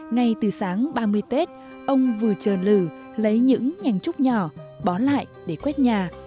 ngay từ sáng ba mươi tết ông vừa chờ lử lấy những nhành trúc nhỏ bó lại để quét nhà